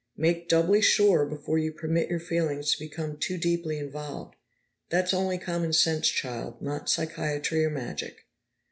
Make doubly sure before you permit your feelings to become too deeply involved. That's only common sense, child, not psychiatry or magic."